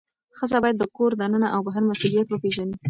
ښځه باید د کور دننه او بهر مسئولیت وپیژني.